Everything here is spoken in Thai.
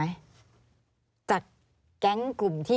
มีใครต้องจ่ายค่าคุมครองกันทุกเดือนไหม